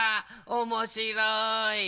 おもしろい。